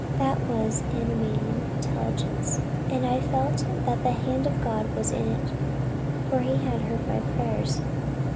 This was animating intelligence, and I felt that the hand of God was in it, for he had heard my prayers.